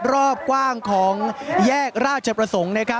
รอบกว้างของแยกราชประสงค์